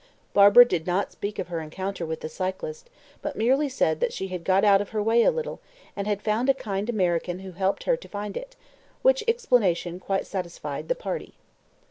Barbara did not speak of her encounter with the cyclist, but merely said she had got out of her way a little, and had found a kind American who had helped her to find it; which explanation quite satisfied "the party."